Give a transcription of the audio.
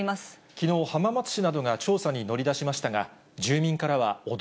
きのう、浜松市などが調査に乗り出しましたが、住民からは驚